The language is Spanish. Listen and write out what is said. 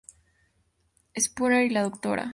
Spooner y la Dra.